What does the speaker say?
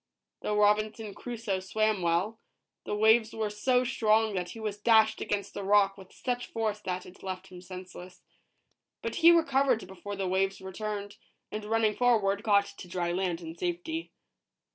Though Robinson Crusoe swam well, the waves were so strong that he was dashed against a rock with such force that it left him senseless. But he recovered before the waves returned, and running forward, got to dry land in safety.